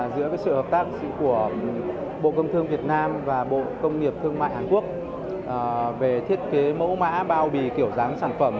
giữa sự hợp tác của bộ công thương việt nam và bộ công nghiệp thương mại hàn quốc về thiết kế mẫu mã bao bì kiểu dáng sản phẩm